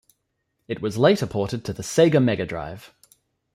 It was later ported to the Sega Mega Drive.